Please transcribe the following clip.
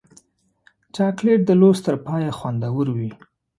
چاکلېټ د لوست تر پایه خوندور وي.